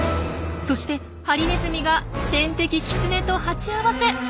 そしてハリネズミが天敵キツネと鉢合わせ！